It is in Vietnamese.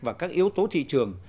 và các yếu tố thị trường